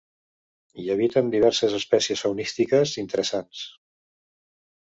Hi habiten diverses espècies faunístiques interessants.